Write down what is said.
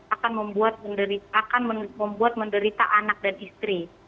akan membuat menderita anak dan istri